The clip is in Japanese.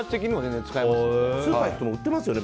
スーパー行くと売ってますよね